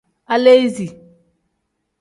Aleesi.